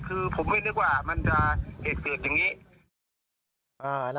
คือผมไม่นึกว่ามันจะเหตุเกิดอย่างนี้